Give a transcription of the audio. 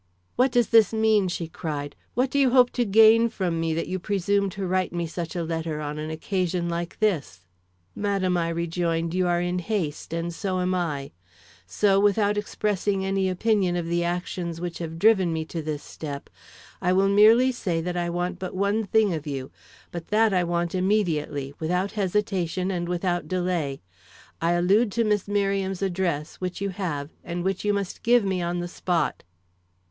"What does this mean?" she cried. "What do you hope to gain from me, that you presume to write me such a letter on an occasion like this?" "Madam," I rejoined, "you are in haste, and so am I; so, without expressing any opinion of the actions which have driven me to this step, I will merely say that I want but one thing of you, but that I want immediately, without hesitation and without delay. I allude to Miss Merriam's address, which you have, and which you must give me on the spot."